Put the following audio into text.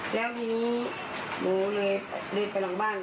แล็ววิ่งนี้โหมลูหลือเดินไปหลังบ้าน